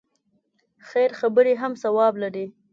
خیر خبرې هم ثواب لري.